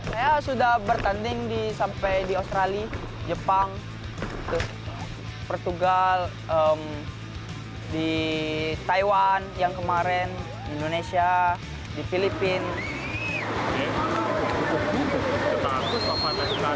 saya sudah bertanding sampai di australia jepang portugal taiwan yang kemarin indonesia filipina